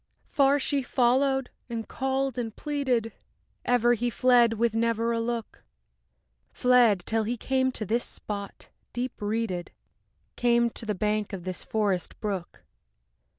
IV Far she followed and called and pleaded, Ever he fled with never a look; Fled, till he came to this spot, deep reeded, Came to the bank of this forest brook.